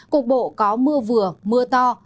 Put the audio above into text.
cục bộ có mưa vừa mưa to